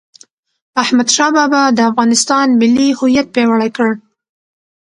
احمدشاه بابا د افغانستان ملي هویت پیاوړی کړ..